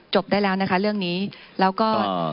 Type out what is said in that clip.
ได้แล้วนะคะเรื่องนี้แล้วก็